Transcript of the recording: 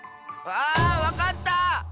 あわかった！